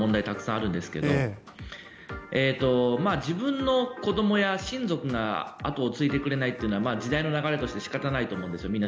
たくさんあるんですが自分の子どもや親族が後を継いでくれないというのは時代の流れとして仕方ないと思うんですよ。